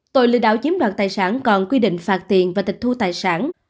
tội lừa đảo chiếm đoạt tài sản còn quy định phạt tiền và tịch thu tài sản